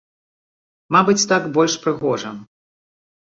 Мабыць, так больш прыгожа.